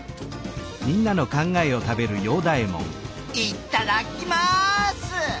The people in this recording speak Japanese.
いっただっきます！